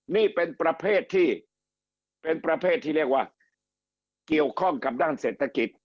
นี่เป็นประเภทที่เป็นประเภทที่เรียกว่าเกี่ยวข้องกับด้านเศรษฐกิจ